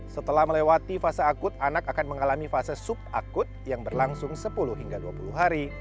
setelah melewati fase akut anak akan mengalami fase sub akut yang berlangsung sepuluh hingga dua puluh hari